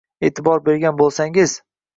E’tibor bergan bo‘lsangiz